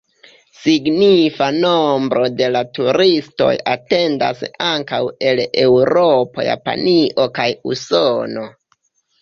Signifa nombro de la turistoj atendas ankaŭ el Eŭropo, Japanio kaj Usono.